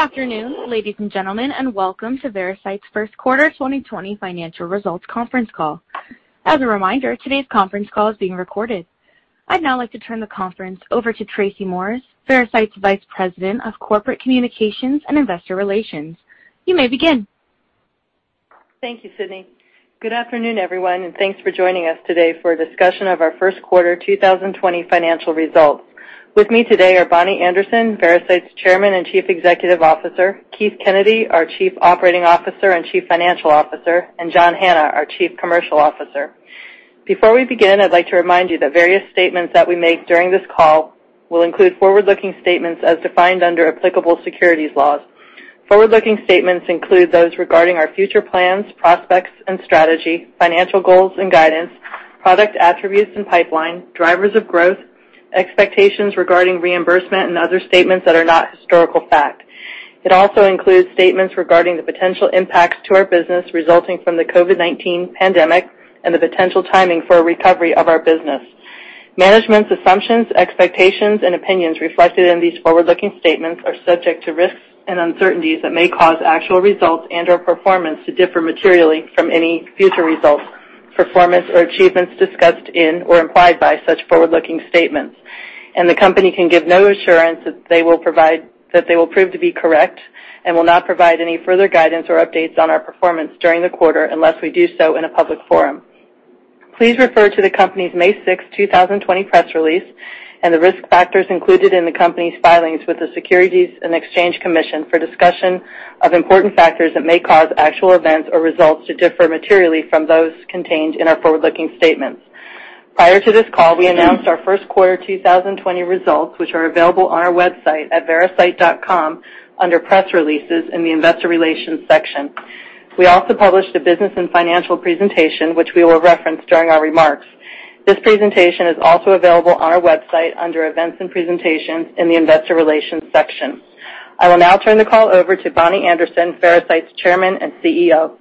Good afternoon, ladies and gentlemen, and welcome to Veracyte's first quarter 2020 financial results conference call. As a reminder, today's conference call is being recorded. I'd now like to turn the conference over to Tracy Morris, Veracyte's Vice President of Corporate Communications and Investor Relations. You may begin. Thank you, Sydney. Good afternoon, everyone, thanks for joining us today for a discussion of our first quarter 2020 financial results. With me today are Bonnie Anderson, Veracyte's Chairman and Chief Executive Officer, Keith Kennedy, our Chief Operating Officer and Chief Financial Officer, and John Hanna, our Chief Commercial Officer. Before we begin, I'd like to remind you that various statements that we make during this call will include forward-looking statements as defined under applicable securities laws. Forward-looking statements include those regarding our future plans, prospects and strategy, financial goals and guidance, product attributes and pipeline, drivers of growth, expectations regarding reimbursement and other statements that are not historical fact. It also includes statements regarding the potential impacts to our business resulting from the COVID-19 pandemic and the potential timing for a recovery of our business. Management's assumptions, expectations and opinions reflected in these forward-looking statements are subject to risks and uncertainties that may cause actual results and/or performance to differ materially from any future results, performance or achievements discussed in or implied by such forward-looking statements. The company can give no assurance that they will prove to be correct and will not provide any further guidance or updates on our performance during the quarter unless we do so in a public forum. Please refer to the company's May 6, 2020 press release and the risk factors included in the company's filings with the Securities and Exchange Commission for a discussion of important factors that may cause actual events or results to differ materially from those contained in our forward-looking statements. Prior to this call, we announced our first quarter 2020 results, which are available on our website at veracyte.com under Press Releases in the Investor Relations section. We also published a business and financial presentation, which we will reference during our remarks. This presentation is also available on our website under Events and Presentations in the Investor Relations section. I will now turn the call over to Bonnie Anderson, Veracyte's Chairman and CEO.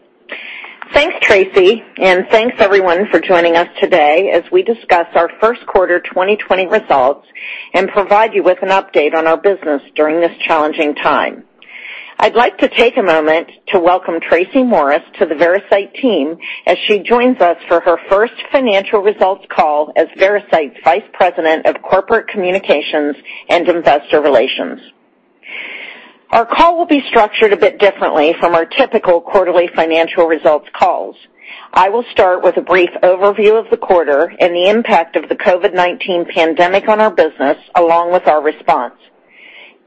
Thanks, Tracy, and thanks, everyone, for joining us today as we discuss our first quarter 2020 results and provide you with an update on our business during this challenging time. I'd like to take a moment to welcome Tracy Morris to the Veracyte team as she joins us for her first financial results call as Veracyte's Vice President of Corporate Communications and Investor Relations. Our call will be structured a bit differently from our typical quarterly financial results calls. I will start with a brief overview of the quarter and the impact of the COVID-19 pandemic on our business, along with our response.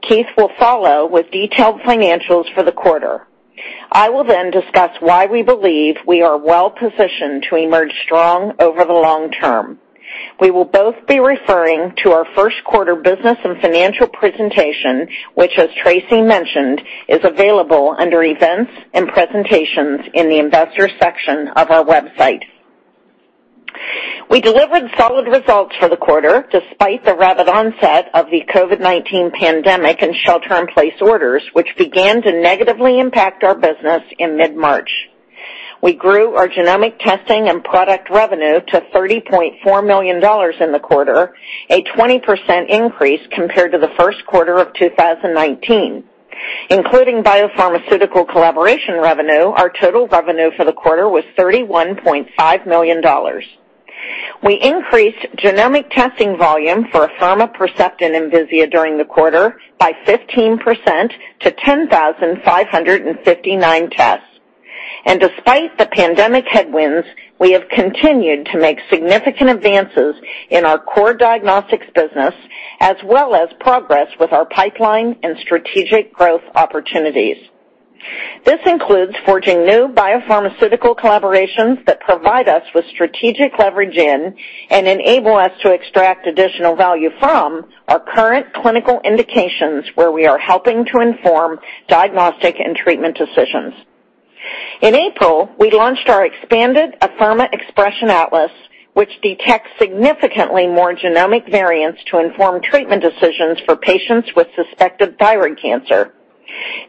Keith will follow with detailed financials for the quarter. I will discuss why we believe we are well-positioned to emerge strong over the long term. We will both be referring to our first quarter business and financial presentation, which, as Tracy mentioned, is available under Events and Presentations in the Investors section of our website. We delivered solid results for the quarter despite the rapid onset of the COVID-19 pandemic and shelter-in-place orders, which began to negatively impact our business in mid-March. We grew our genomic testing and product revenue to $30.4 million in the quarter, a 20% increase compared to the first quarter of 2019. Including biopharmaceutical collaboration revenue, our total revenue for the quarter was $31.5 million. We increased genomic testing volume for Afirma Percepta and Envisia during the quarter by 15% to 10,559 tests. Despite the pandemic headwinds, we have continued to make significant advances in our core diagnostics business, as well as progress with our pipeline and strategic growth opportunities. This includes forging new biopharmaceutical collaborations that provide us with strategic leverage and enable us to extract additional value from our current clinical indications where we are helping to inform diagnostic and treatment decisions. In April, we launched our expanded Afirma Xpression Atlas, which detects significantly more genomic variants to inform treatment decisions for patients with suspected thyroid cancer.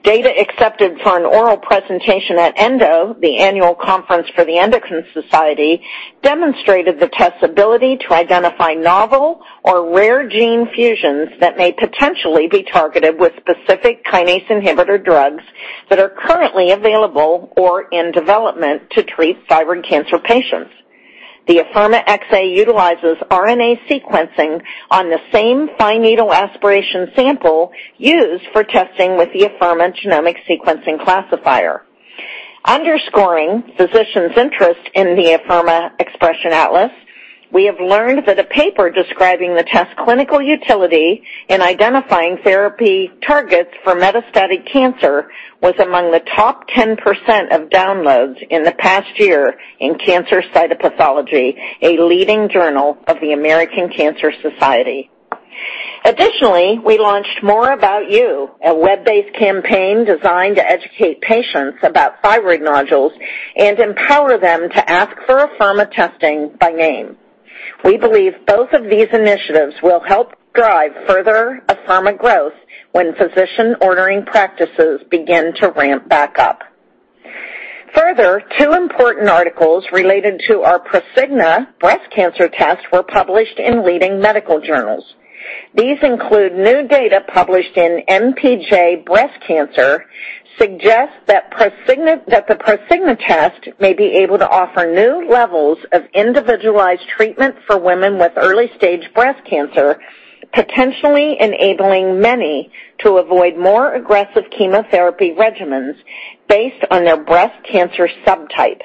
Data accepted for an oral presentation at ENDO, the annual conference for the Endocrine Society, demonstrated the test's ability to identify novel or rare gene fusions that may potentially be targeted with specific kinase inhibitor drugs that are currently available or in development to treat thyroid cancer patients. The Afirma XA utilizes RNA sequencing on the same fine needle aspiration sample used for testing with the Afirma Genomic Sequencing Classifier. Underscoring physicians' interest in the Afirma Xpression Atlas, we have learned that a paper describing the test's clinical utility in identifying therapy targets for metastatic cancer was among the top 10% of downloads in the past year in Cancer Cytopathology, a leading journal of the American Cancer Society. Additionally, we launched More About You, a web-based campaign designed to educate patients about thyroid nodules and empower them to ask for Afirma testing by name. We believe both of these initiatives will help drive further Afirma growth when physician ordering practices begin to ramp back up. Further, two important articles related to our Prosigna breast cancer test were published in leading medical journals. These include new data published in npj Breast Cancer that suggest that the Prosigna test may be able to offer new levels of individualized treatment for women with early-stage breast cancer, potentially enabling many to avoid more aggressive chemotherapy regimens based on their breast cancer subtype.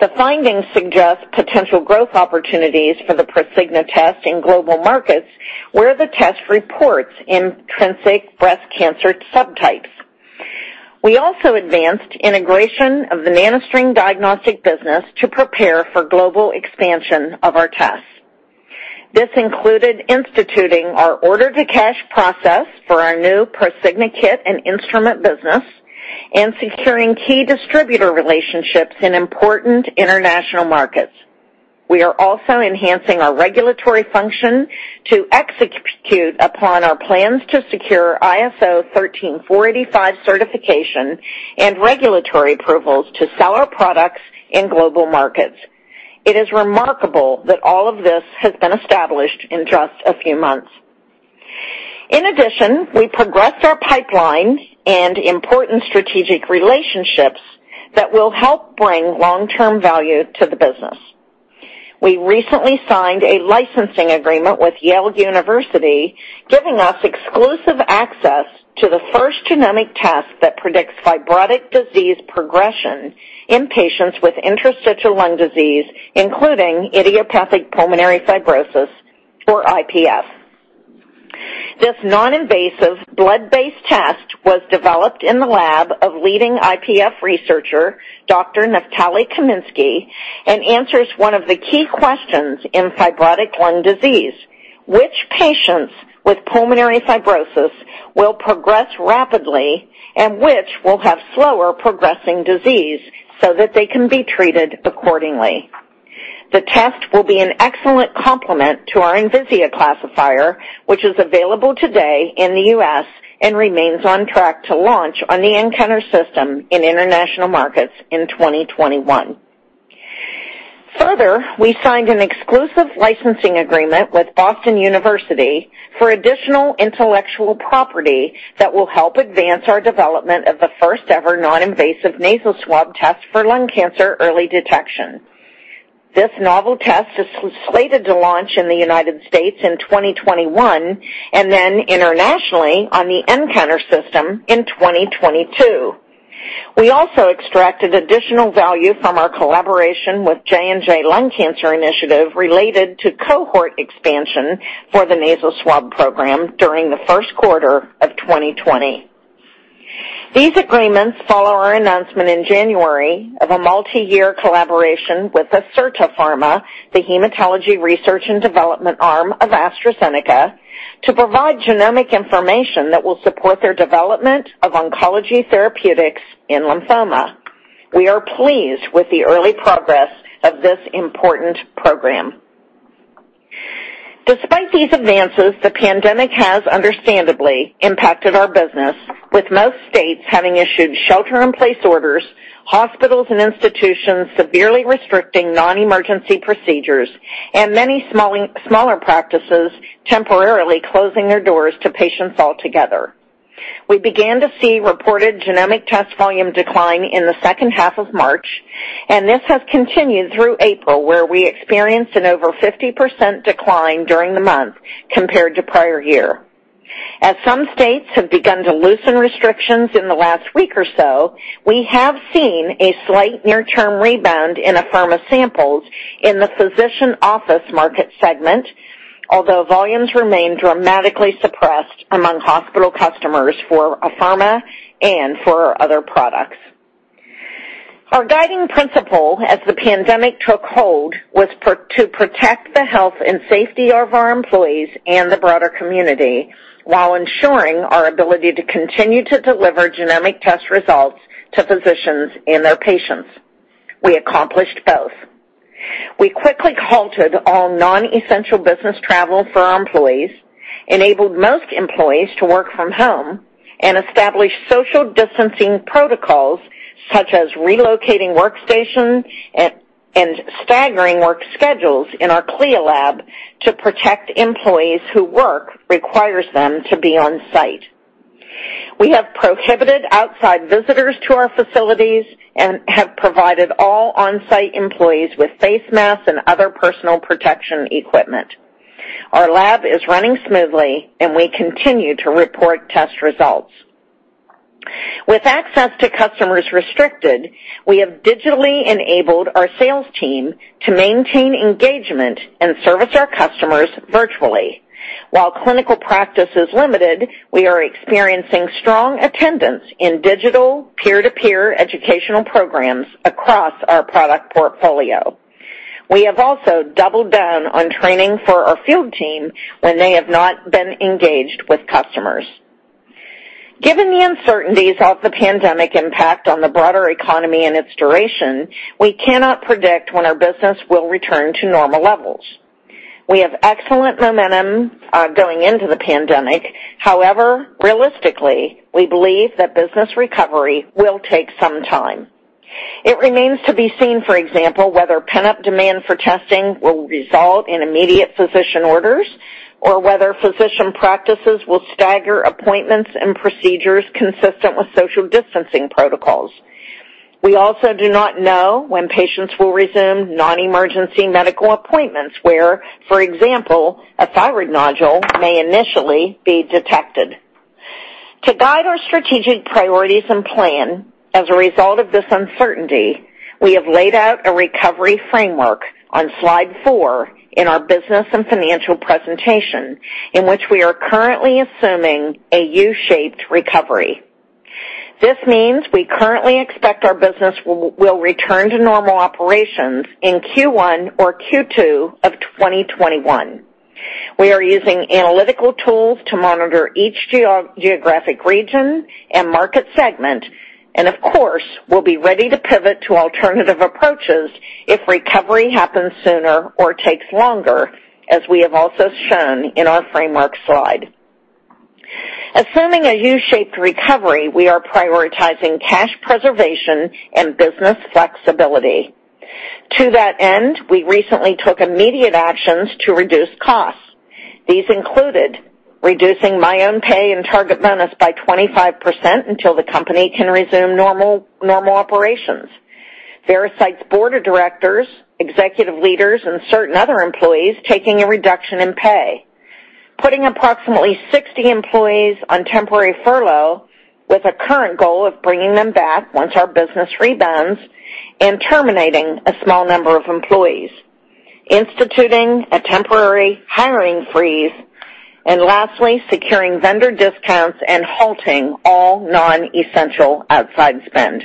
The findings suggest potential growth opportunities for the Prosigna test in global markets, where the test reports intrinsic breast cancer subtypes. We also advanced integration of the NanoString diagnostic business to prepare for global expansion of our tests. This included instituting our order-to-cash process for our new Prosigna kit and instrument business and securing key distributor relationships in important international markets. We are also enhancing our regulatory function to execute upon our plans to secure ISO 13485 certification and regulatory approvals to sell our products in global markets. It is remarkable that all of this has been established in just a few months. We progressed our pipeline and important strategic relationships that will help bring long-term value to the business. We recently signed a licensing agreement with Yale University, giving us exclusive access to the first genomic test that predicts fibrotic disease progression in patients with interstitial lung disease, including idiopathic pulmonary fibrosis, or IPF. This non-invasive blood-based test was developed in the lab of leading IPF researcher Dr. Naftali Kaminski and answers one of the key questions in fibrotic lung disease: which patients with pulmonary fibrosis will progress rapidly and which will have slower progressing disease so that they can be treated accordingly? The test will be an excellent complement to our Envisia classifier, which is available today in the U.S. and remains on track to launch on the nCounter system in international markets in 2021. Further, we signed an exclusive licensing agreement with Boston University for additional intellectual property that will help advance our development of the first-ever non-invasive nasal swab test for lung cancer early detection. This novel test is slated to launch in the United States in 2021 and then internationally on the nCounter system in 2022. We also extracted additional value from our collaboration with the J&J Lung Cancer Initiative related to cohort expansion for the nasal swab program during the first quarter of 2020. These agreements follow our announcement in January of a multi-year collaboration with Acerta Pharma, the hematology research and development arm of AstraZeneca, to provide genomic information that will support their development of oncology therapeutics in lymphoma. We are pleased with the early progress of this important program. Despite these advances, the pandemic has understandably impacted our business, with most states having issued shelter-in-place orders, hospitals and institutions severely restricting non-emergency procedures, and many smaller practices temporarily closing their doors to patients altogether. We began to see reported genomic test volume decline in the second half of March, and this has continued through April, where we experienced an over 50% decline during the month compared to the prior year. As some states have begun to loosen restrictions in the last week or so, we have seen a slight near-term rebound in Afirma samples in the physician office market segment. Although volumes remain dramatically suppressed among hospital customers for Afirma and for our other products. Our guiding principle as the pandemic took hold was to protect the health and safety of our employees and the broader community while ensuring our ability to continue to deliver genomic test results to physicians and their patients. We accomplished both. We quickly halted all non-essential business travel for our employees, enabled most employees to work from home, and established social distancing protocols, such as relocating workstations and staggering work schedules in our CLIA lab to protect employees whose work requires them to be on-site. We have prohibited outside visitors to our facilities and have provided all on-site employees with face masks and other personal protection equipment. Our lab is running smoothly, and we continue to report test results. With access to customers restricted, we have digitally enabled our sales team to maintain engagement and service our customers virtually. While clinical practice is limited, we are experiencing strong attendance in digital peer-to-peer educational programs across our product portfolio. We have also doubled down on training for our field team when they have not been engaged with customers. Given the uncertainties of the pandemic impact on the broader economy and its duration, we cannot predict when our business will return to normal levels. We have excellent momentum going into the pandemic. Realistically, we believe that business recovery will take some time. It remains to be seen, for example, whether pent-up demand for testing will result in immediate physician orders or whether physician practices will stagger appointments and procedures consistent with social distancing protocols. We also do not know when patients will resume non-emergency medical appointments where, for example, a thyroid nodule may initially be detected. To guide our strategic priorities and plan as a result of this uncertainty, we have laid out a recovery framework on slide four in our business and financial presentation in which we are currently assuming a U-shaped recovery. This means we currently expect our business will return to normal operations in Q1 or Q2 of 2021. Of course, we'll be ready to pivot to alternative approaches if recovery happens sooner or takes longer, as we have also shown in our framework slide. Assuming a U-shaped recovery, we are prioritizing cash preservation and business flexibility. To that end, we recently took immediate actions to reduce costs. These included reducing my own pay and target bonus by 25% until the company can resume normal operations. Veracyte's board of directors, executive leaders, and certain other employees are taking a reduction in pay, putting approximately 60 employees on temporary furlough with a current goal of bringing them back once our business rebounds; terminating a small number of employees; instituting a temporary hiring freeze; and lastly, securing vendor discounts and halting all non-essential outside spend.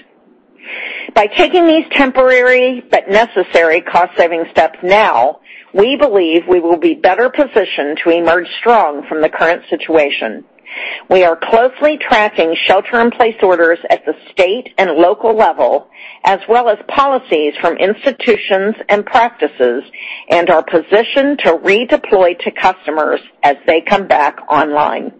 By taking these temporary but necessary cost-saving steps now, we believe we will be better positioned to emerge strong from the current situation. We are closely tracking shelter-in-place orders at the state and local levels, as well as policies from institutions and practices, and are positioned to redeploy to customers as they come back online.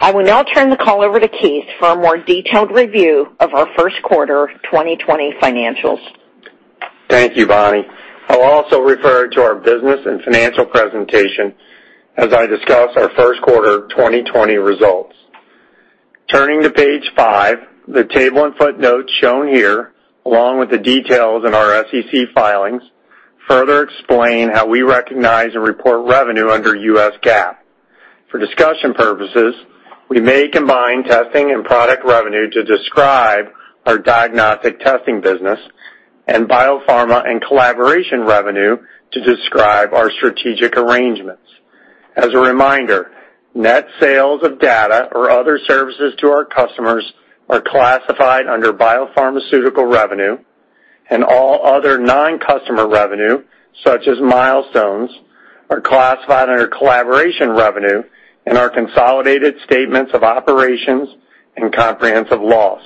I will now turn the call over to Keith for a more detailed review of our first quarter 2020 financials. Thank you, Bonnie. I'll also refer to our business and financial presentation as I discuss our first quarter 2020 results. Turning to page five, the table and footnote shown here, along with the details in our SEC filings, further explain how we recognize and report revenue under US GAAP. For discussion purposes, we may combine testing and product revenue to describe our diagnostic testing business and biopharma and collaboration revenue to describe our strategic arrangements. As a reminder, net sales of data or other services to our customers are classified under biopharmaceutical revenue, and all other non-customer revenue, such as milestones, are classified under collaboration revenue in our consolidated statements of operations and comprehensive loss.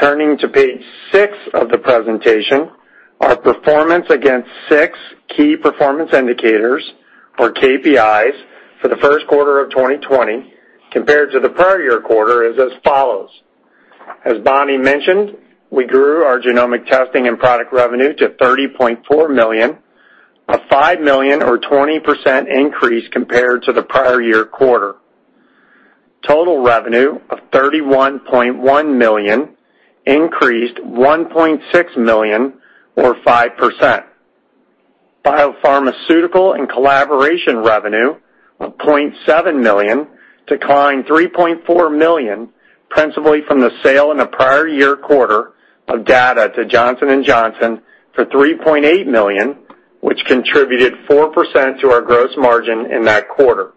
Turning to page six of the presentation, our performance against six key performance indicators, or KPIs, for the first quarter of 2020 compared to the prior year quarter is as follows. As Bonnie mentioned, we grew our genomic testing and product revenue to $30.4 million, a $5 million, or 20%, increase compared to the prior year quarter. Total revenue of $31.1 million increased $1.6 million or 5%. Biopharmaceutical and collaboration revenue of $0.7 million declined $3.4 million, principally from the sale in the prior year quarter of data to Johnson & Johnson for $3.8 million, which contributed 4% to our gross margin in that quarter.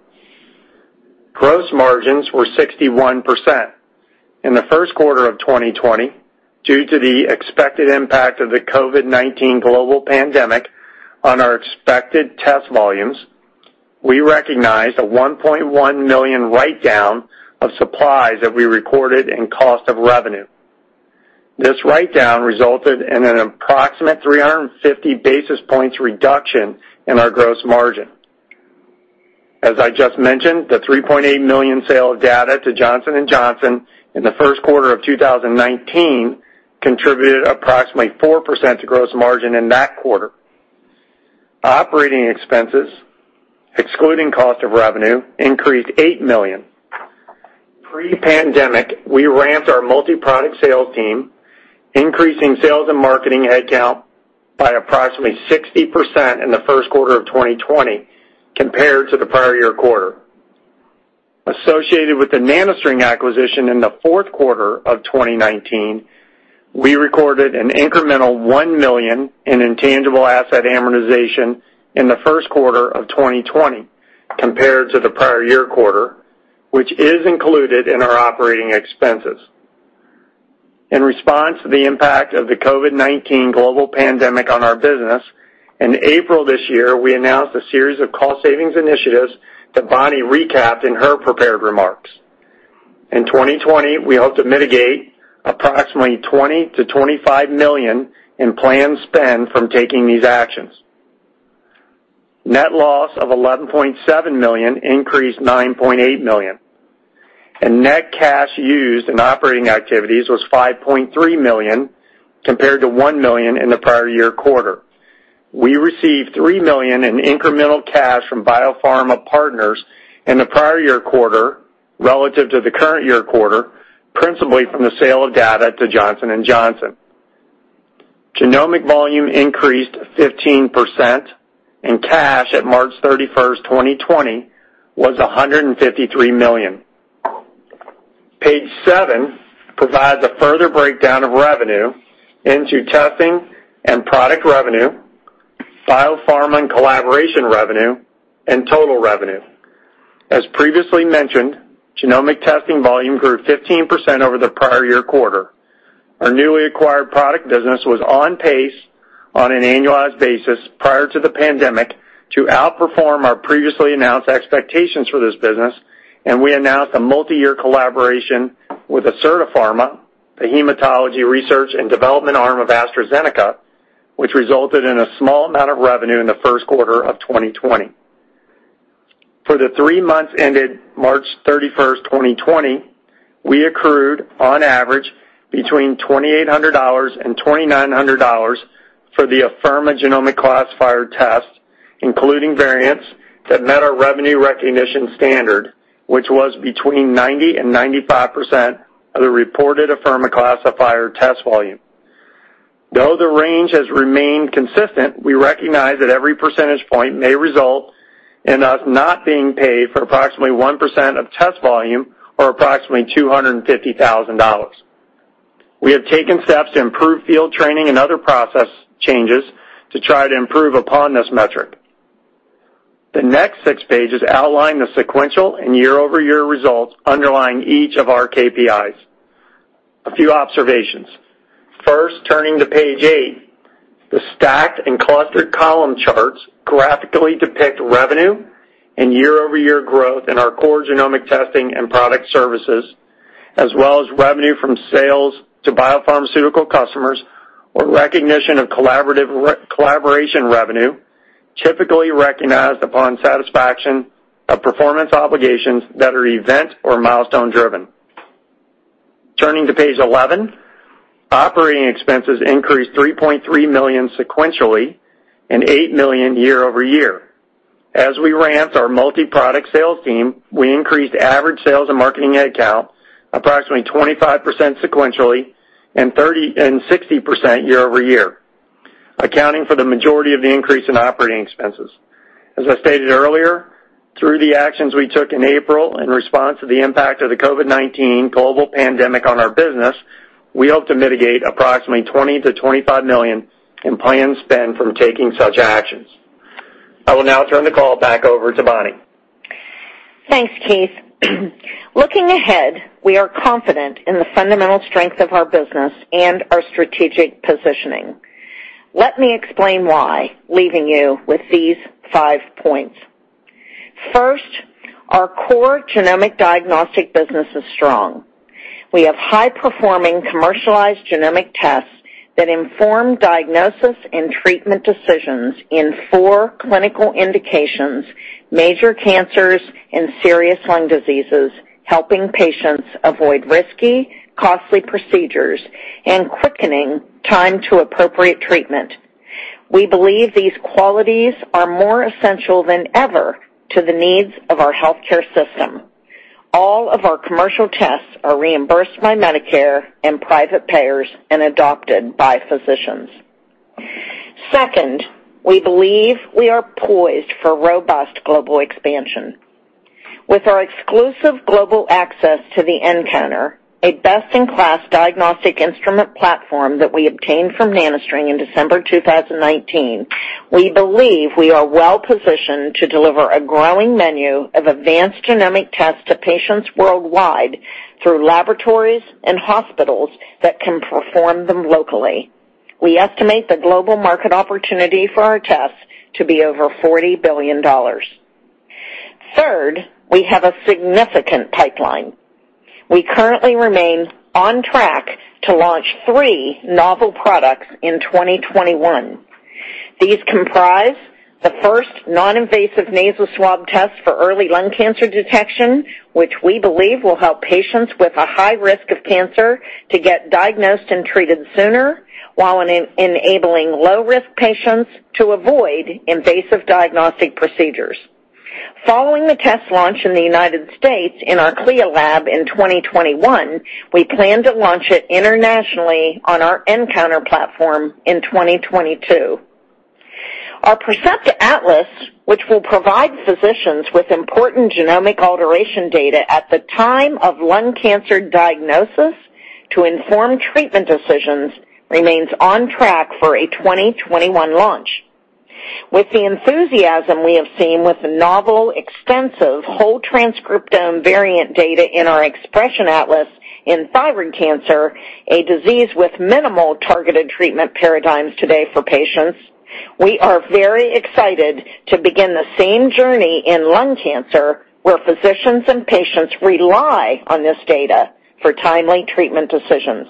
Gross margins were 61%. In the first quarter of 2020, due to the expected impact of the COVID-19 global pandemic on our expected test volumes, we recognized a $1.1 million write-down of supplies that we recorded in cost of revenue. This write-down resulted in an approximate 350 basis points reduction in our gross margin. As I just mentioned, the $3.8 million sale of data to Johnson & Johnson in the first quarter of 2019 contributed approximately 4% to gross margin in that quarter. Operating expenses, excluding cost of revenue, increased $8 million. Pre-pandemic, we ramped up our multi-product sales team, increasing sales and marketing headcount by approximately 60% in the first quarter of 2020 compared to the prior year quarter. Associated with the NanoString acquisition in the fourth quarter of 2019, we recorded an incremental $1 million in intangible asset amortization in the first quarter of 2020 compared to the prior year quarter, which is included in our operating expenses. In response to the impact of the COVID-19 global pandemic on our business, in April this year, we announced a series of cost savings initiatives that Bonnie recapped in her prepared remarks. In 2020, we hope to mitigate approximately $20 million-$25 million in planned spend from taking these actions. Net loss of $11.7 million increased by $9.8 million, and net cash used in operating activities was $5.3 million compared to $1 million in the prior year quarter. We received $3 million in incremental cash from Biopharma partners in the prior-year quarter relative to the current-year quarter, principally from the sale of data to Johnson & Johnson. Genomic volume increased 15%, and cash at March 31st, 2020, was $153 million. Page seven provides a further breakdown of revenue into testing and product revenue, Biopharma and collaboration revenue, and total revenue. As previously mentioned, genomic testing volume grew 15% over the prior year quarter. Our newly acquired product business was on pace on an annualized basis prior to the pandemic to outperform our previously announced expectations for this business, and we announced a multi-year collaboration with Acerta Pharma, the hematology research and development arm of AstraZeneca, which resulted in a small amount of revenue in the first quarter of 2020. For the three months ended March 31st, 2020, we accrued on average between $2,800 and $2,900 for the Afirma genomic classifier test, including variants that met our revenue recognition standard, which was between 90% and 95% of the reported Afirma classifier test volume. Though the range has remained consistent, we recognize that every percentage point may result in us not being paid for approximately 1% of test volume or approximately $250,000. We have taken steps to improve field training and other process changes to try to improve upon this metric. The next six pages outline the sequential and year-over-year results underlying each of our KPIs. A few observations. First, turning to page eight, the stacked and clustered column charts graphically depict revenue and year-over-year growth in our core genomic testing and product services, as well as revenue from sales to biopharmaceutical customers or recognition of collaboration revenue, typically recognized upon satisfaction of performance obligations that are event- or milestone-driven. Turning to page 11, operating expenses increased $3.3 million sequentially and $8 million year-over-year. As we ramped up our multi-product sales team, we increased average sales and marketing headcount approximately 25% sequentially and 60% year-over-year, accounting for the majority of the increase in operating expenses. As I stated earlier, through the actions we took in April in response to the impact of the COVID-19 global pandemic on our business, we hope to mitigate approximately $20 million-$25 million in planned spend from taking such actions. I will now turn the call back over to Bonnie. Thanks, Keith. Looking ahead, we are confident in the fundamental strength of our business and our strategic positioning. Let me explain why, leaving you with these 5 points. First, our core genomic diagnostic business is strong. We have high-performing commercialized genomic tests that inform diagnosis and treatment decisions in four clinical indications, major cancers, and serious lung diseases, helping patients avoid risky, costly procedures and quickening time to appropriate treatment. We believe these qualities are more essential than ever to the needs of our healthcare system. All of our commercial tests are reimbursed by Medicare and private payers and adopted by physicians. Second, we believe we are poised for robust global expansion. With our exclusive global access to the nCounter, a best-in-class diagnostic instrument platform that we obtained from NanoString in December 2019, we believe we are well-positioned to deliver a growing menu of advanced genomic tests to patients worldwide through laboratories and hospitals that can perform them locally. We estimate the global market opportunity for our tests to be over $40 billion. Third, we have a significant pipeline. We currently remain on track to launch three novel products in 2021. These comprise the first non-invasive nasal swab test for early lung cancer detection, which we believe will help patients with a high risk of cancer to get diagnosed and treated sooner while enabling low-risk patients to avoid invasive diagnostic procedures. Following the test launch in the U.S. in our CLIA lab in 2021, we plan to launch it internationally on our nCounter platform in 2022. Our Percepta Atlas, which will provide physicians with important genomic alteration data at the time of lung cancer diagnosis to inform treatment decisions, remains on track for a 2021 launch. With the enthusiasm we have seen with the novel, extensive whole transcriptome variant data in our Xpression Atlas in thyroid cancer, a disease with minimal targeted treatment paradigms for patients today. We are very excited to begin the same journey in lung cancer, where physicians and patients rely on this data for timely treatment decisions.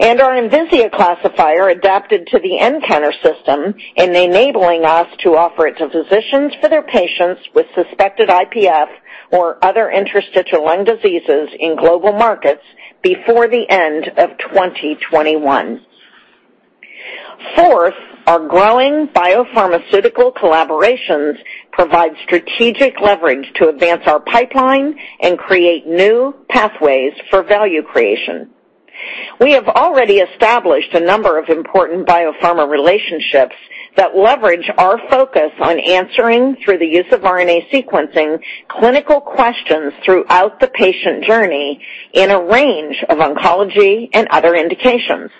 Our Envisia classifier adapted to the nCounter system, enabling us to offer it to physicians for their patients with suspected IPF or other interstitial lung diseases in global markets before the end of 2021. Fourth, our growing biopharmaceutical collaborations provide strategic leverage to advance our pipeline and create new pathways for value creation. We have already established a number of important biopharma relationships that leverage our focus on answering, through the use of RNA sequencing, clinical questions throughout the patient journey in a range of oncology and other indications.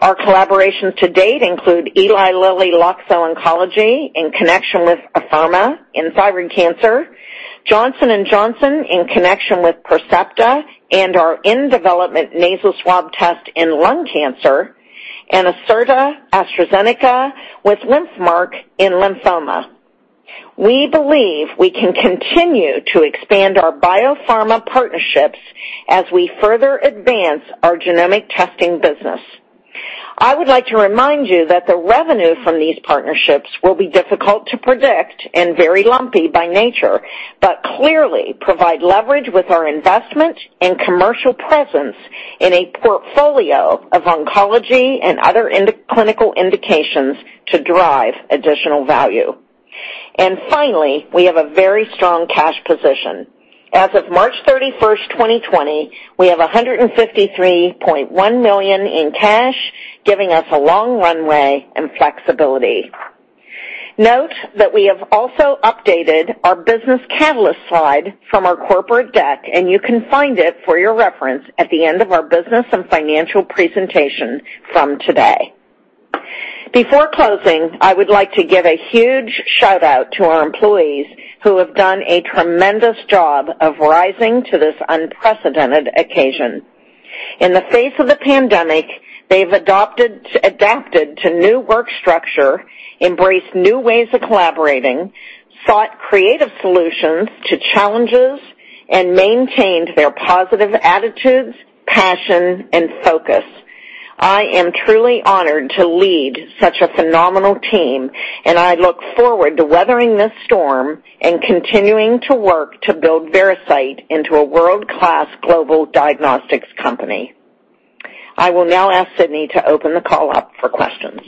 Our collaborations to date include Eli Lilly Loxo Oncology, in connection with Afirma in thyroid cancer; Johnson & Johnson, in connection with Percepta and our in-development nasal swab test in lung cancer; and Acerta and AstraZeneca, with LymphMark in lymphoma. We believe we can continue to expand our biopharma partnerships as we further advance our genomic testing business. I would like to remind you that the revenue from these partnerships will be difficult to predict and very lumpy by nature, clearly providing leverage with our investment and commercial presence in a portfolio of oncology and other clinical indications to drive additional value. Finally, we have a very strong cash position. As of March 31st, 2020, we have $153.1 million in cash, giving us a long runway and flexibility. Note that we have also updated our business catalyst slide from our corporate deck, and you can find it for your reference at the end of our business and financial presentation from today. Before closing, I would like to give a huge shout-out to our employees who have done a tremendous job of rising to this unprecedented occasion. In the face of the pandemic, they've adapted to the new work structure, embraced new ways of collaborating, sought creative solutions to challenges, and maintained their positive attitudes, passion, and focus. I am truly honored to lead such a phenomenal team, and I look forward to weathering this storm and continuing to work to build Veracyte into a world-class global diagnostics company. I will now ask Sydney to open the call up for questions.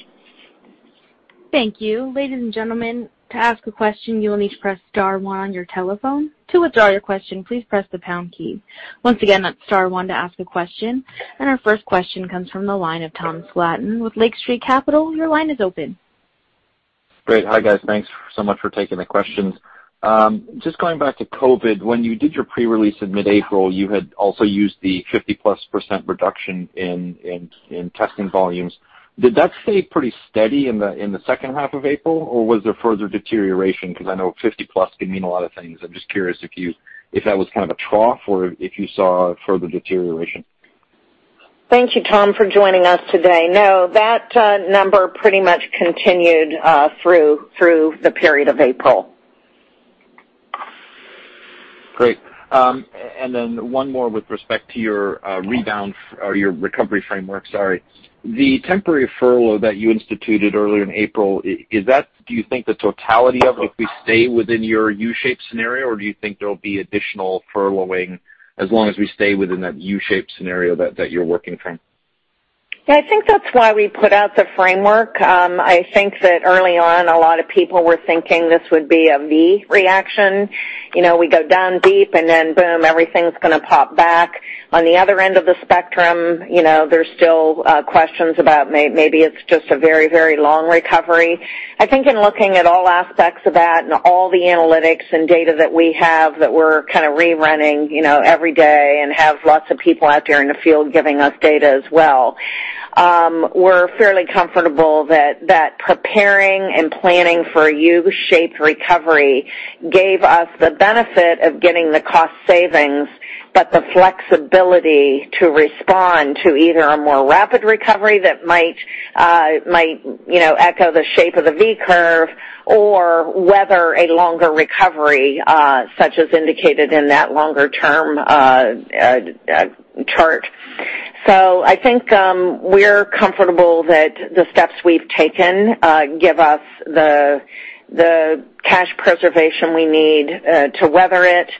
Thank you. Ladies and gentlemen, to ask a question, you will need to press star one on your telephone. To withdraw your question, please press the pound key. Once again, that's star one to ask a question. Our first question comes from the line of Tom Slatton with Lake Street Capital. Your line is open. Great. Hi, guys. Thanks so much for taking the questions. Just going back to COVID, when you did your pre-release in mid-April, you had also used the 50%+ reduction in testing volumes. Did that stay pretty steady in the second half of April, or was there further deterioration? Because I know 50+ can mean a lot of things. I'm just curious if that was kind of a trough or if you saw further deterioration. Thank you, Tom, for joining us today. No, that number pretty much continued through the period of April. Great. One more with respect to your recovery framework. Sorry. The temporary furlough that you instituted earlier in April, do you think the totality of if we stay within your U-shaped scenario, or do you think there'll be additional furloughing as long as we stay within that U-shaped scenario that you're working from? Yeah, I think that's why we put out the framework. I think that early on, a lot of people were thinking this would be a V-reaction. We go down deep, and then boom, everything's going to pop back. On the other end of the spectrum, there's still questions about maybe it's just a very, very long recovery. I think in looking at all aspects of that and all the analytics and data that we have that we're kind of rerunning every day and have lots of people out there in the field giving us data as well, we're fairly comfortable that preparing and planning for a U-shaped recovery gave us the benefit of getting the cost savings but the flexibility to respond to either a more rapid recovery that might echo the shape of the V curve or a weather a longer recovery, such as indicated in that longer-term chart. I think we're comfortable that the steps we've taken give us the cash preservation we need to weather it.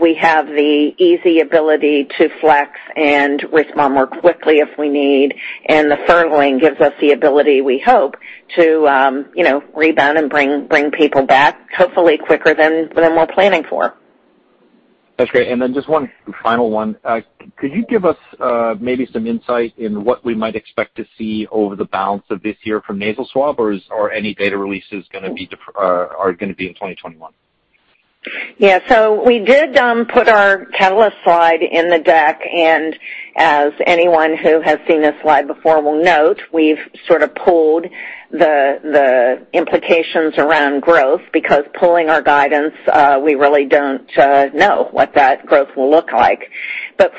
We have the easy ability to flex and respond more quickly if we need. The furloughing gives us the ability, we hope, to rebound and bring people back, hopefully quicker than we're planning for. That's great. Just one final one. Could you give us maybe some insight in what we might expect to see over the balance of this year for nasal swabs, or are any data releases going to be in 2021? We did put our catalyst slide in the deck, and as anyone who has seen this slide before will note, we've sort of pulled the implications around growth, because pulling our guidance, we really don't know what that growth will look like.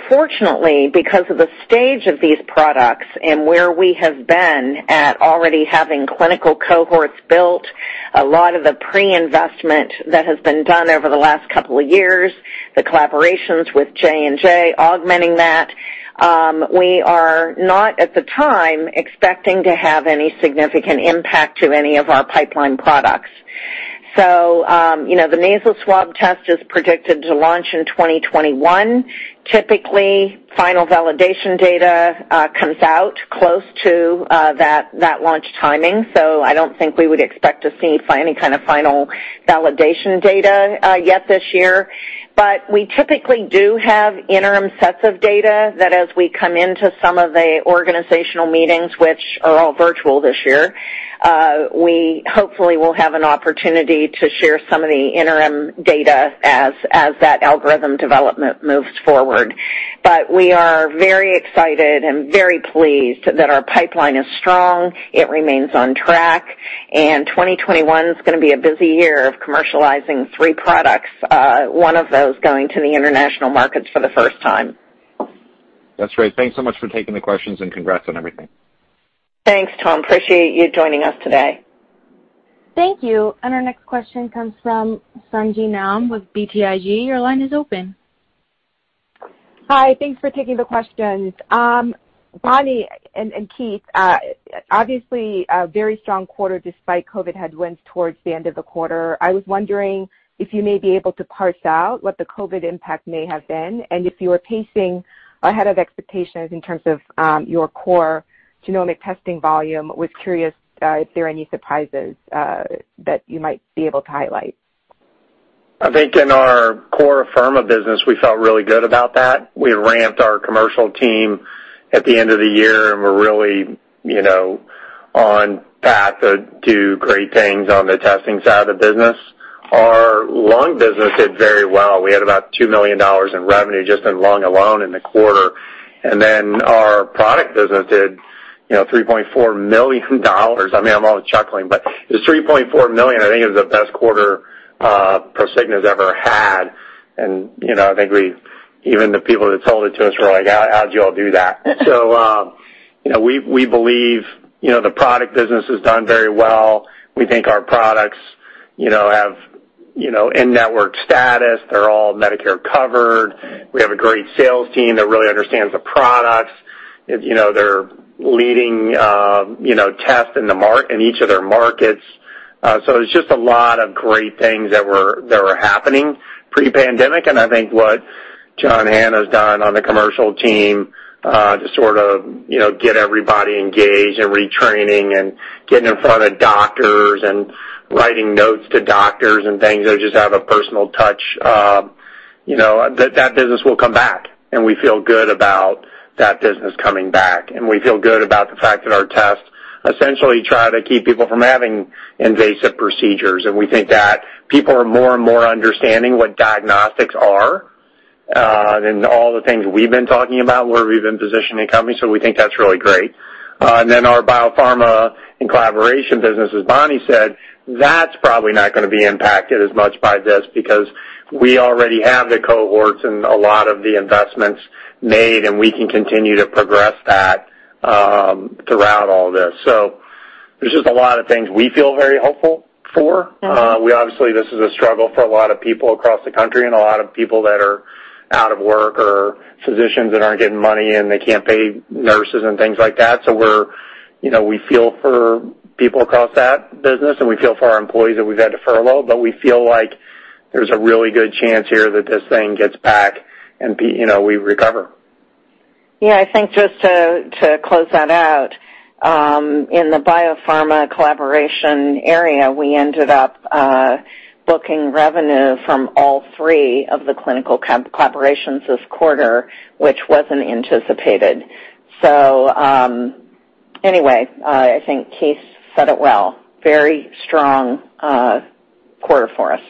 Fortunately, because of the stage of these products and where we have been at, we already have clinical cohorts built. A lot of the pre-investment has been done over the last couple of years, and the collaborations with J&J are augmenting that. We are not, at the time, expecting to have any significant impact on any of our pipeline products. The nasal swab test is predicted to launch in 2021. Typically, final validation data comes out close to that launch timing; I don't think we would expect to see any kind of final validation data yet this year. We typically do have interim sets of data, and as we come into some of the organizational meetings, which are all virtual this year, we hopefully will have an opportunity to share some of the interim data as that algorithm development moves forward. We are very excited and very pleased that our pipeline is strong. It remains on track; 2021's going to be a busy year of commercializing three products, one of those going to the international markets for the first time. That's great. Thanks so much for taking the questions and congrats on everything. Thanks, Tom. Appreciate you joining us today. Thank you. Our next question comes from Sung Ji Nam with BTIG. Your line is open. Hi. Thanks for taking the questions. Bonnie and Keith, obviously, had a very strong quarter despite COVID headwinds towards the end of the quarter. I was wondering if you may be able to parse out what the COVID impact may have been and if you were pacing ahead of expectations in terms of your core genomic testing volume. I was curious if there are any surprises that you might be able to highlight. I think in our core pharma business, we felt really good about that. We ramped up our commercial team at the end of the year, and we're really on path to do great things on the testing side of the business. Our lung business did very well. We had about $2 million in revenue just in lungs alone in the quarter, and then our product business did $3.4 million. I'm always chuckling, but this $3.4 million, I think, is the best quarter Prosigna's ever had. I think even the people that sold it to us were like, How'd you all do that? We believe the product business has done very well. We think our products have in-network status. They're all Medicare-covered. We have a great sales team that really understands the products. They're leading tests in each of their markets. It's just a lot of great things that were happening pre-pandemic. I think with what John Hanna's done on the commercial team to sort of get everybody engaged in retraining and getting in front of doctors and writing notes to doctors and things that just have a personal touch, that business will come back, and we feel good about that business coming back. We feel good about the fact that our tests essentially try to keep people from having invasive procedures, and we think that people are more and more understanding what diagnostics are and all the things we've been talking about, where we've been positioning companies, so we think that's really great. Our biopharma and collaboration business, as Bonnie said, is probably not going to be impacted as much by this because we already have the cohorts and a lot of the investments made, and we can continue to progress that throughout all this. There are just a lot of things we feel very hopeful for. Obviously, this is a struggle for a lot of people across the country and a lot of people that are out of work or physicians that aren't getting money, and they can't pay nurses and things like that. We feel for people across that business, and we feel for our employees that we've had to furlough, but we feel like there's a really good chance here that this thing gets back and we recover. Yeah, I think just to close that out, in the biopharma collaboration area, we ended up booking revenue from all three of the clinical collaborations this quarter, which wasn't anticipated. Anyway, I think Keith said it well. Very strong quarter for us.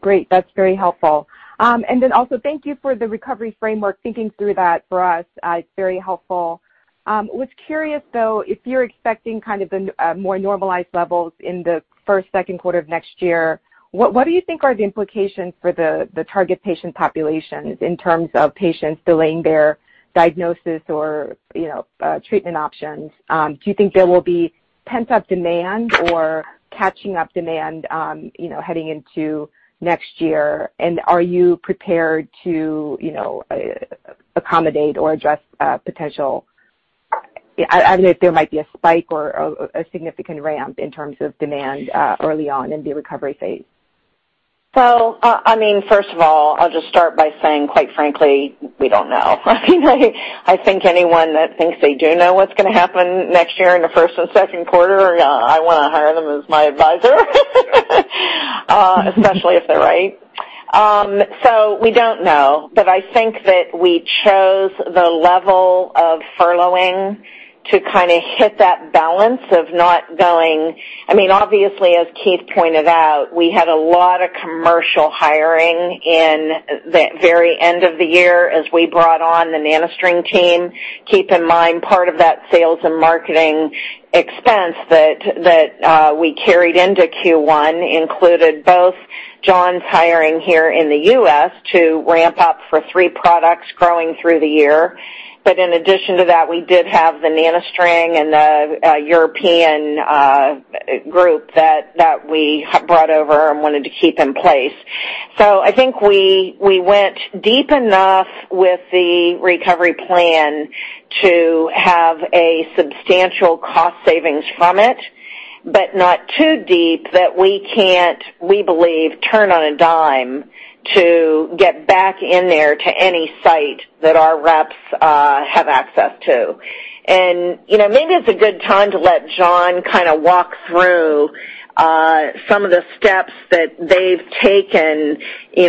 Great. That's very helpful. Also, thank you for the recovery framework, thinking through that for us. It's very helpful. Was curious, though, if you're expecting kind of the more normalized levels in the first and second quarters of next year, what do you think are the implications for the target patient populations in terms of patients delaying their diagnosis or treatment options? Do you think there will be pent-up demand or catching-up demand heading into next year? Are you prepared to accommodate or address potential I don't know if there might be a spike or a significant ramp in terms of demand early on in the recovery phase? First of all, I'll just start by saying, quite frankly, we don't know. I think anyone that thinks they do know what's going to happen next year in the first and second quarter, I want to hire them as my advisor. Especially if they're right. We don't know, but I think that we chose the level of furloughing to kind of hit that balance of not going. Obviously, as Keith pointed out, we had a lot of commercial hiring in the very end of the year as we brought on the NanoString team. Keep in mind, part of that sales and marketing expense that we carried into Q1 included John's hiring here in the U.S. to ramp up for three products growing through the year. In addition to that, we did have the NanoString and the European group that we brought over and wanted to keep in place. I think we went deep enough with the recovery plan to have a substantial cost savings from it, but not so deep that we can't, we believe, turn on a dime to get back in there to any site that our reps have access to. Maybe it's a good time to let John walk through some of the steps that they've taken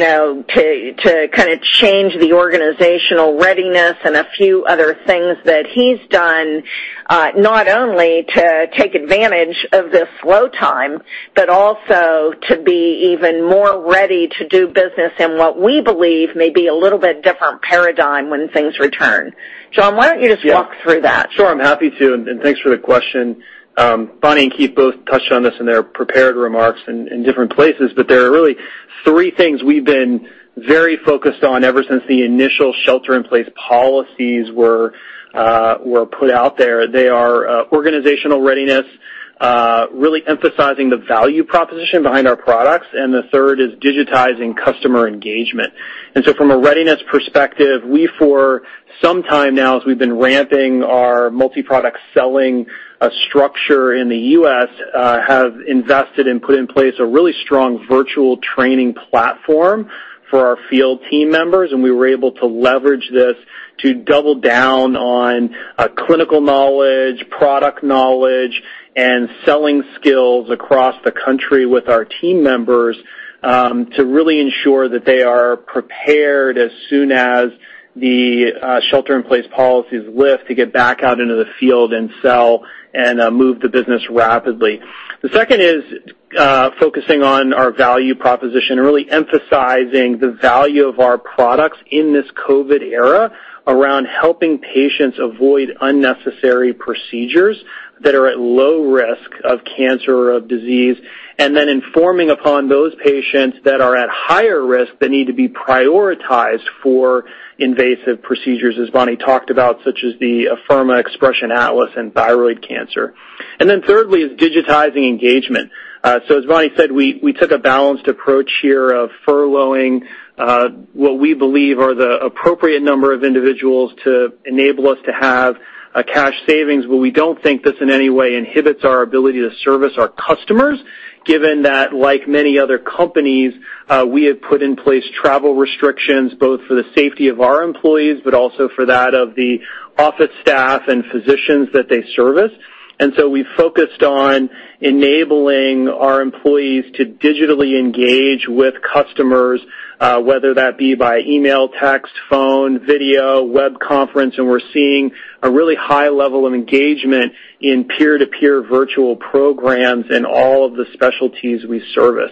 to change the organizational readiness and a few other things that he's done, not only to take advantage of this slow time but also to be even more ready to do business in what we believe may be a little bit different paradigm when things return. John, why don't you just walk through that? Sure, I'm happy to, and thanks for the question. Bonnie and Keith both touched on this in their prepared remarks in different places, but there are really three things we've been very focused on ever since the initial shelter-in-place policies were put out there. They are organizational readiness, really emphasizing the value proposition behind our products, and the third is digitizing customer engagement. From a readiness perspective, we for some time now, as we've been ramping our multi-product selling structure in the U.S., have invested in and put in place a really strong virtual training platform for our field team members, and we were able to leverage this to double down on clinical knowledge, product knowledge, and selling skills across the country with our team members to really ensure that they are prepared as soon as the shelter-in-place policies lift to get back out into the field and sell and move the business rapidly. The second is focusing on our value proposition and really emphasizing the value of our products in this COVID era around helping patients avoid unnecessary procedures that are at low risk of cancer or disease and then informing those patients that are at higher risk that they need to be prioritized for invasive procedures, as Bonnie talked about, such as the Afirma Xpression Atlas and thyroid cancer. Thirdly is digitizing engagement. As Bonnie said, we took a balanced approach here of furloughing what we believe are the appropriate number of individuals to enable us to have a cash savings, but we don't think this in any way inhibits our ability to service our customers, given that like many other companies, we have put in place travel restrictions both for the safety of our employees, but also for that of the office staff and physicians that they service. We've focused on enabling our employees to digitally engage with customers, whether that be by email, text, phone, video, web conference, and we're seeing a really high level of engagement in peer-to-peer virtual programs in all of the specialties we service.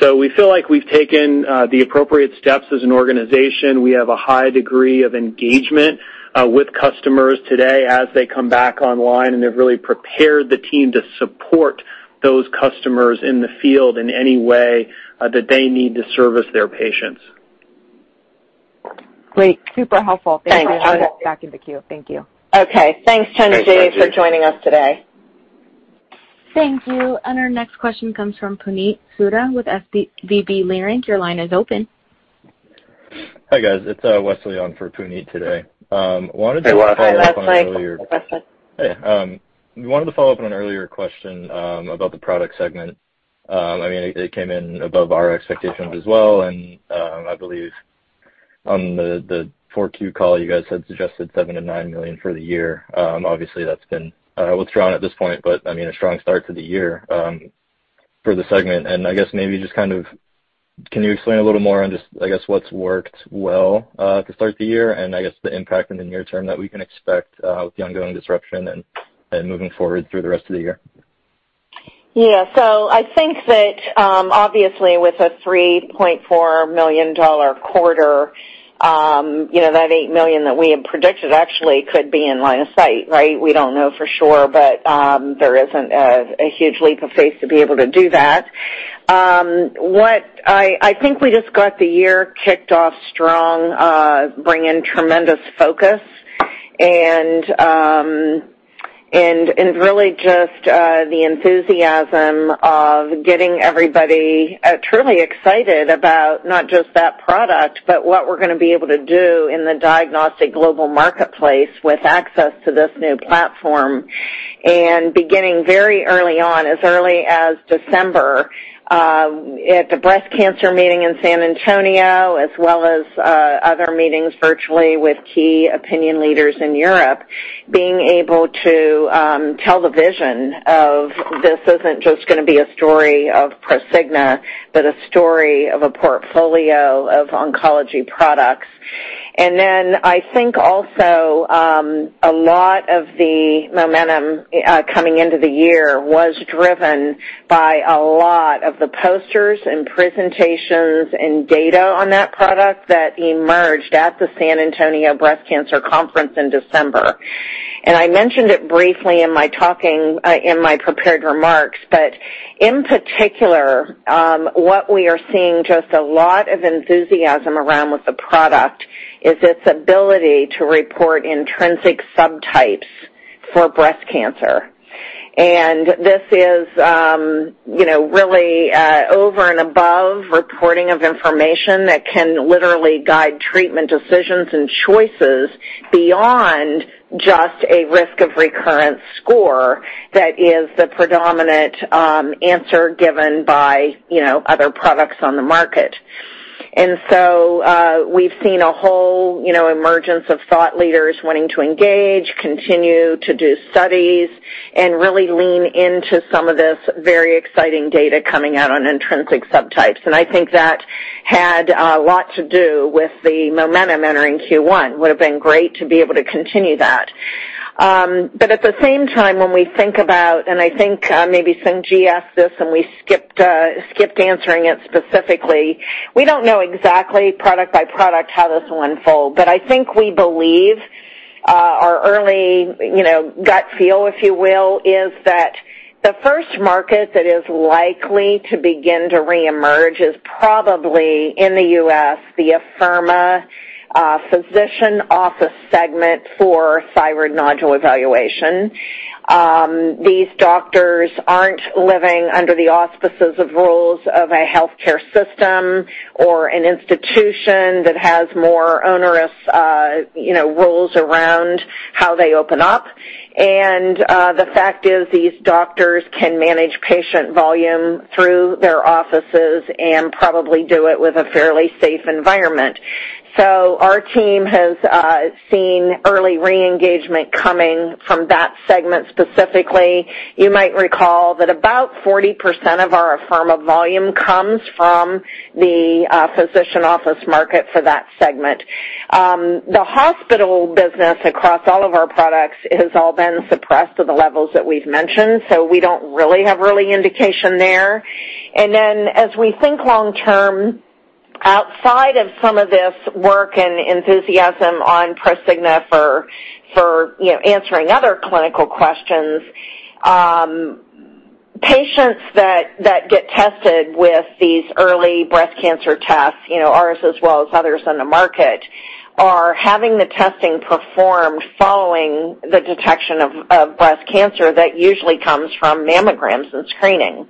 We feel like we've taken the appropriate steps as an organization. We have a high degree of engagement with customers today as they come back online, and they've really prepared the team to support those customers in the field in any way that they need to service their patients. Great. Super helpful. Thanks. Thank you. I'll get back in the queue. Thank you. Okay. Thanks, Sung Ji. Thanks, Sung Ji. for joining us today. Thank you. Our next question comes from Puneet Souda with SVB Leerink. Your line is open. Hi, guys. It's Wesley on for Puneet today. Hi, Wesley. Hey. We wanted to follow up on an earlier question about the product segment. It came in above our expectations as well, and I believe on the 4Q call, you guys had suggested $7 million-$9 million for the year. Obviously, that's been withdrawn at this point, but a strong start to the year for the segment. I guess maybe just can you explain a little more on just, I guess, what's worked well to start the year and, I guess, the impact in the near term that we can expect with the ongoing disruption and then moving forward through the rest of the year? Yeah. I think that, obviously, with a $3.4 million quarter, that $8 million that we had predicted actually could be in line of sight, right? We don't know for sure; there isn't a huge leap of faith to be able to do that. I think we just got the year kicked off strong, bringing tremendous focus and really just the enthusiasm of getting everybody truly excited about not just that product, but what we're going to be able to do in the diagnostic global marketplace with access to this new platform. Beginning very early on, as early as December, at the breast cancer meeting in San Antonio, as well as other meetings virtually with key opinion leaders in Europe, being able to tell the vision of this isn't just going to be a story of Prosigna but a story of a portfolio of oncology products. I think also, a lot of the momentum coming into the year was driven by a lot of the posters and presentations and data on that product that emerged at the San Antonio Breast Cancer Symposium in December. I mentioned it briefly in my prepared remarks, but in particular, what we are seeing just a lot of enthusiasm around with the product is its ability to report intrinsic subtypes for breast cancer. This is really over and above reporting of information that can literally guide treatment decisions and choices beyond just a risk of recurrence score that is the predominant answer given by other products on the market. We've seen a whole emergence of thought leaders wanting to engage, continue to do studies, and really lean into some of this very exciting data coming out on intrinsic subtypes. I think that had a lot to do with the momentum entering Q1. Would've been great to be able to continue that. At the same time, when we think about, and I think maybe Sung Ji asked this and we skipped answering it specifically, we don't know exactly product by product how this will unfold, but I think we believe our early gut feel, if you will, is that the first market that is likely to begin to reemerge is probably in the U.S., the Afirma physician office segment for thyroid nodule evaluation. These doctors aren't living under the auspices of rules of a healthcare system or an institution that has more onerous rules around how they open up. The fact is, these doctors can manage patient volume through their offices and probably do it in a fairly safe environment. Our team has seen early re-engagement coming from that segment specifically. You might recall that about 40% of our Afirma volume comes from the physician office market for that segment. The hospital business across all of our products has all been suppressed to the levels that we've mentioned, so we don't really have an early indication there. As we think long-term, outside of some of this work and enthusiasm on Prosigna for answering other clinical questions, patients that get tested with these early breast cancer tests, ours as well as others on the market, are having the testing performed following the detection of breast cancer that usually comes from mammograms and screening.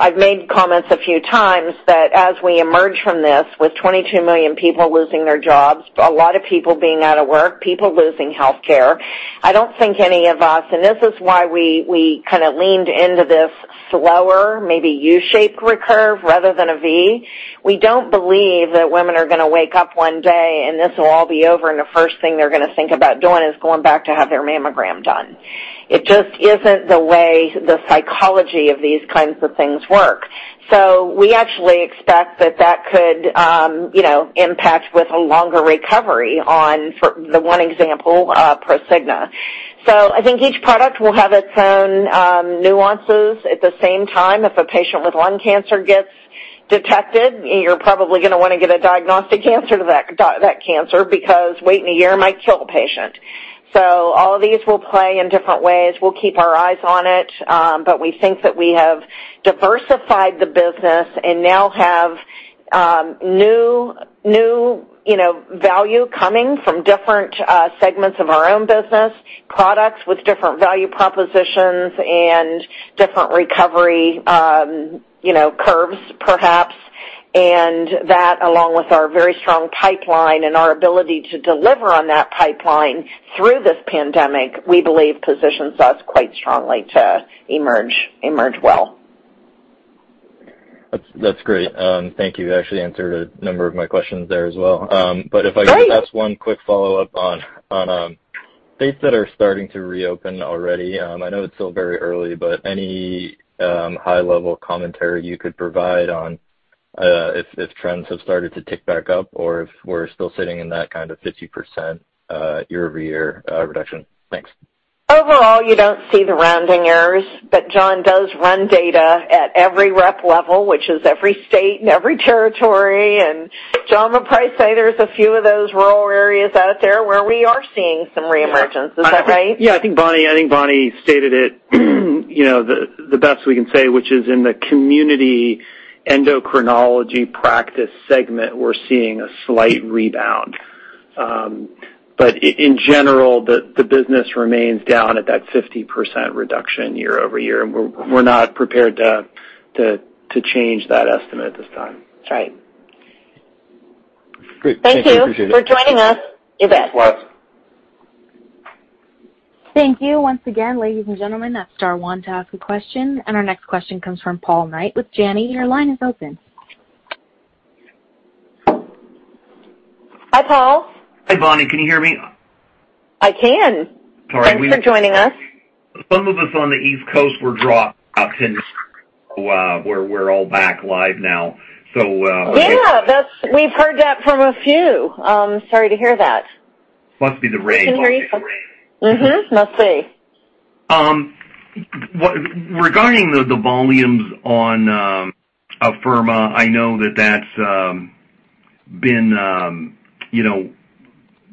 I've made comments a few times that as we emerge from this, with 22 million people losing their jobs, a lot of people being out of work, and people losing healthcare, I don't think any of us—and this is why we kind of leaned into this slower, maybe U-shaped recurve rather than a V—believe that women are going to wake up one day and this will all be over and the first thing they're going to think about doing is going back to have their mammograms done. It just isn't the way the psychology of these kinds of things work. We actually expect that that could impact a longer recovery on, for one example, Prosigna. I think each product will have its own nuances. At the same time, if a patient with lung cancer gets detected, you're probably going to want to get a diagnosis for that cancer, because waiting a year might kill the patient. All of these will play in different ways. We'll keep our eyes on it. We think that we have diversified the business and now have new value coming from different segments of our own business, products with different value propositions and different recovery curves, perhaps. That, along with our very strong pipeline and our ability to deliver on that pipeline through this pandemic, we believe, positions us quite strongly to emerge well. That's great. Thank you. You actually answered a number of my questions there as well. Great. If I could, I'd ask one quick follow-up on states that are starting to reopen already. I know it's still very early, but any high-level commentary you could provide on if trends have started to tick back up or if we're still sitting in that kind of 50% year-over-year reduction? Thanks. Overall, you don't see the rounding errors. John does run data at every rep level, which is every state and every territory. John will probably say there's a few of those rural areas out there where we are seeing some reemergence. Is that right? Yeah, I think Bonnie stated it the best we can say, which is in the community endocrinology practice segment, we're seeing a slight rebound. In general, the business remains down at that 50% reduction year-over-year, and we're not prepared to change that estimate at this time. That's right. Great. Thank you. Appreciate it. Thank you for joining us. You bet. Thanks a lot. Thank you once again, ladies and gentlemen. That's star one to ask a question. Our next question comes from Paul Knight with Janney. Your line is open. Hi, Paul. Hi, Bonnie. Can you hear me? I can. Sorry. Thanks for joining us. Some of us on the East Coast were dropped, and we're all back live now. Yeah. We've heard that from a few. Sorry to hear that. Must be the rain. Must be. Regarding the volumes on Afirma, I know.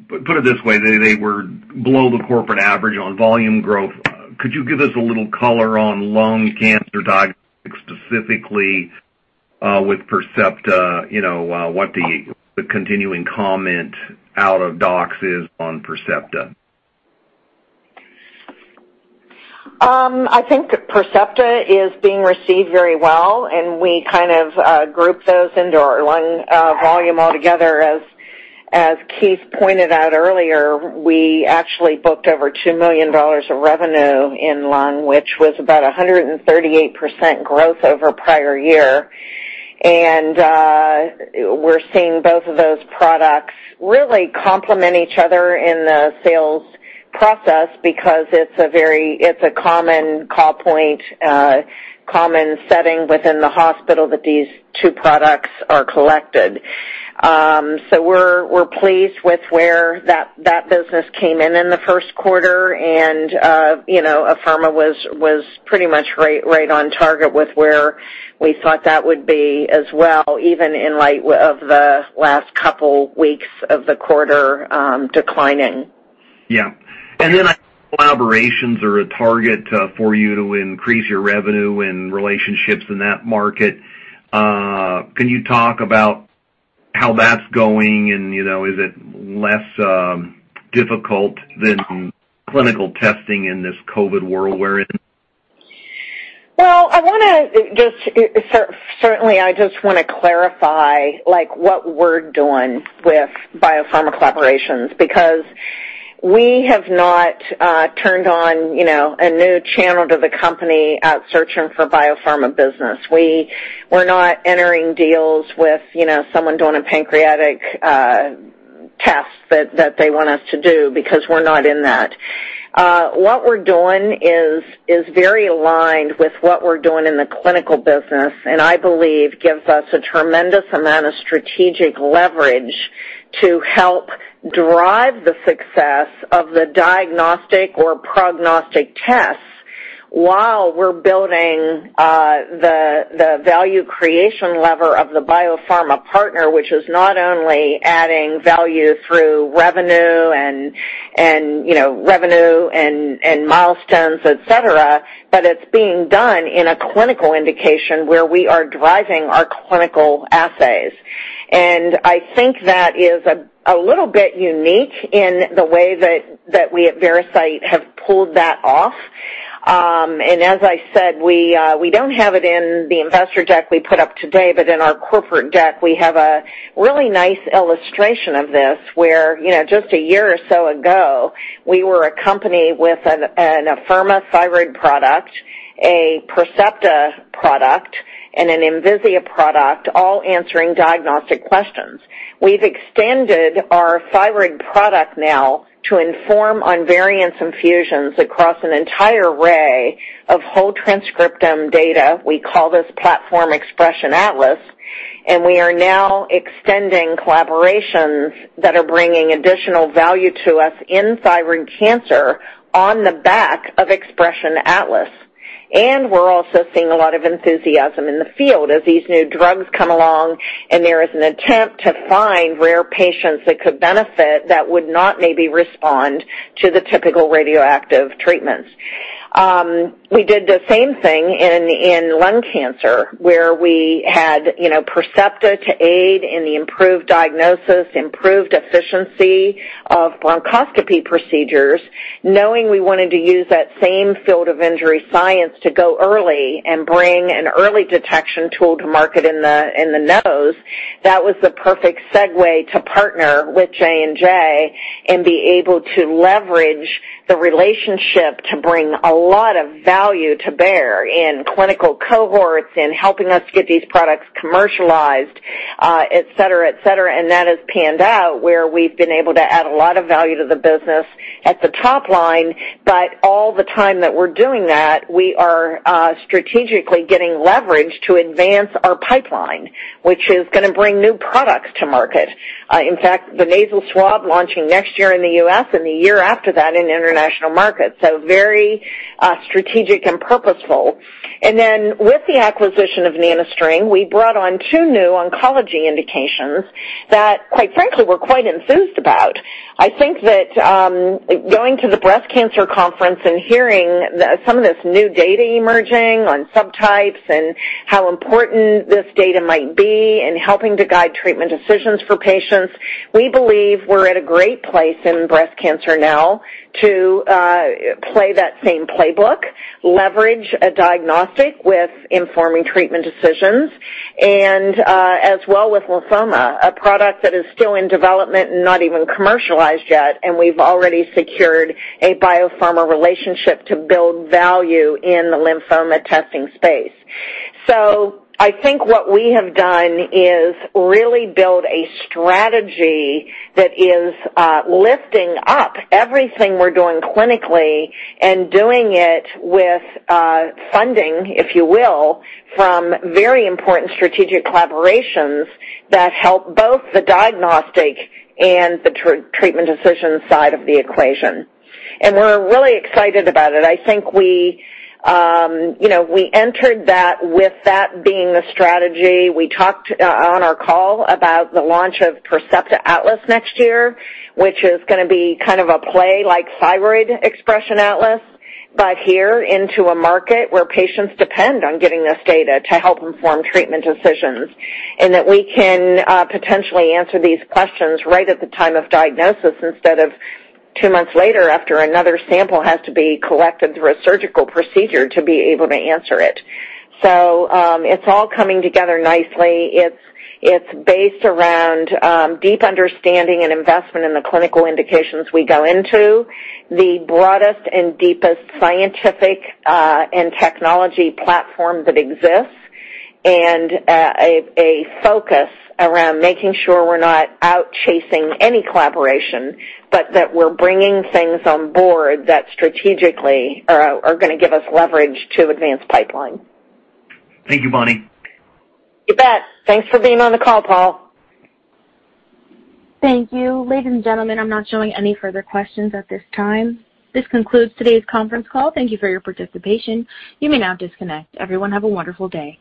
Put it this way, they were below the corporate average on volume growth. Could you give us a little color on lung cancer diagnostics, specifically with Percepta, what the continuing comment from docs on Percepta? I think Percepta is being received very well. We kind of group those into our lung volume all together. As Keith pointed out earlier, we actually booked over $2 million of revenue in lung, which was about 138% growth over the prior year. We're seeing both of those products really complement each other in the sales process because it's a common call point and a common setting within the hospital where these two products are collected. We're pleased with where that business came in in the first quarter, and Afirma was pretty much right on target with where we thought that would be as well, even in light of the last couple weeks of the quarter declining. Yeah. Collaborations are a target for you to increase your revenue and relationships in that market. Can you talk about how that's going, and is it less difficult than clinical testing in this COVID world we're in? Well, certainly, I just want to clarify what we're doing with biopharma collaborations, because we have not turned on a new channel to the company out searching for biopharma business. We're not entering deals with someone doing a pancreatic test that they want us to do, because we're not in that line of work. What we're doing is very aligned with what we're doing in the clinical business, and I believe it gives us a tremendous amount of strategic leverage to help drive the success of the diagnostic or prognostic tests while we're building the value creation lever of the biopharma partner. Which is not only adding value through revenue and milestones, et cetera, but it's being done in a clinical indication where we are driving our clinical assays. I think that is a little bit unique in the way that we at Veracyte have pulled that off. As I said, we don't have it in the investor deck we put up today, but in our corporate deck, we have a really nice illustration of this, where just a year or so ago, we were a company with an Afirma thyroid product, a Percepta product, and an Envisia product, all answering diagnostic questions. We've extended our thyroid product now to inform on variants and fusions across an entire array of whole transcriptome data. We call this platform Xpression Atlas. We are now extending collaborations that are bringing additional value to us in thyroid cancer on the back of Xpression Atlas. We're also seeing a lot of enthusiasm in the field as these new drugs come along and there is an attempt to find rare patients that could benefit that would not maybe respond to the typical radioactive treatments. We did the same thing in lung cancer, where we had Percepta to aid in the improved diagnosis and improved efficiency of bronchoscopy procedures, knowing we wanted to use that same field of injury science to go early and bring an early detection tool to market in the nose. That was the perfect segue to partner with J&J and be able to leverage the relationship to bring a lot of value to bear in clinical cohorts, in helping us get these products commercialized, et cetera. All the time that we're doing that, we are strategically getting leverage to advance our pipeline, which is going to bring new products to market. In fact, the nasal swab launching next year in the U.S. and the year after that in international markets is very strategic and purposeful. With the acquisition of NanoString, we brought on two new oncology indications that, quite frankly, we're quite enthused about. I think that going to the breast cancer conference, hearing some of this new data emerging on subtypes and how important this data might be in helping to guide treatment decisions for patients, we believe we're at a great place in breast cancer now to play that same playbook, leveraging a diagnostic with informing treatment decisions, as well with lymphoma, a product that is still in development and not even commercialized yet, we've already secured a biopharma relationship to build value in the lymphoma testing space. I think what we have done is really build a strategy that is lifting up everything we're doing clinically and doing it with funding, if you will, from very important strategic collaborations that help both the diagnostic and the treatment decision side of the equation. We're really excited about it. I think we entered that with that being the strategy. We talked on our call about the launch of Percepta Atlas next year, which is going to be kind of a play like thyroid Xpression Atlas but here into a market where patients depend on getting this data to help inform treatment decisions. That we can potentially answer these questions right at the time of diagnosis instead of two months later after another sample has to be collected through a surgical procedure to be able to answer it. It's all coming together nicely. It's based around deep understanding and investment in the clinical indications we go into, the broadest and deepest scientific and technological platform that exists, and a focus around making sure we're not out chasing any collaboration but that we're bringing things on board that strategically are going to give us leverage to advance the pipeline. Thank you, Bonnie. You bet. Thanks for being on the call, Paul. Thank you. Ladies and gentlemen, I'm not showing any further questions at this time. This concludes today's conference call. Thank you for your participation. You may now disconnect. Everyone, have a wonderful day.